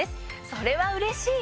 それはうれしい！